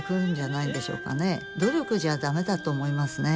努力じゃ駄目だと思いますね。